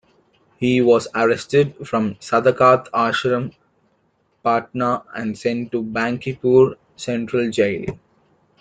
He was arrested from Sadaqat Ashram, Patna and sent to Bankipur Central Jail.